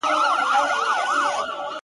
څخه داسې څه په ملت ګورې